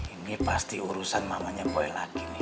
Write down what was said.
ini pasti urusan mamanya boy lagi